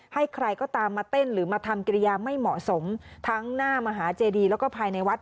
ให้ใครก็ตามมาเต้นหรือมาทำกิริยาไม่เหมาะสมทั้งหน้ามหาเจดีแล้วก็ภายในวัด